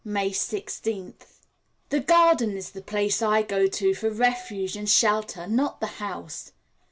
May 16th. The garden is the place I go to for refuge and shelter, not the house.